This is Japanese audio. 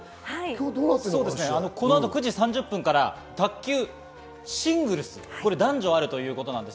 この後、９時３０分から卓球シングルス・男女あります。